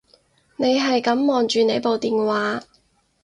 你係噉望住你部電話